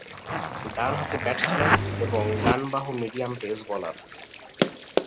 তিনি ডানহাতি ব্যাটসম্যান এবং ডান বাহু মিডিয়াম পেস বোলার।